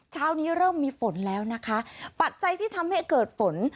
เช้านี้เริ่มมีฝนแล้วนะคะปัจจัยที่ทำให้เกิดฝน